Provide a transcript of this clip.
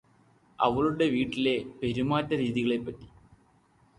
അവളുടെ വീടിലെ പെരുമാറ്റ രീതികളെപ്പറ്റി